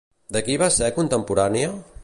De qui va ser contemporània?